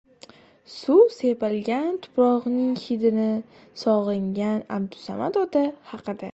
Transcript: Suv sepilgan tuprog‘ining hidini sog‘ingan Abdusamat ota haqida